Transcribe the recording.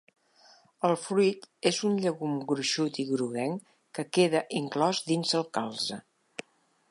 El fruit és un llegum gruixut i groguenc que queda inclòs dins el calze.